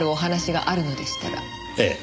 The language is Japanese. ええ。